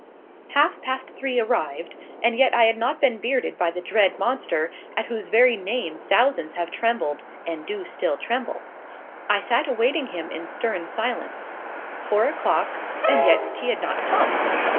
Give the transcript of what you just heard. Half past three arrived, and yet I had not been bearded by the dread monster, at whose very name thousands have trembled and do still tremble. I sat awaiting him in stern silence. Four o'clock, and yet he had not come.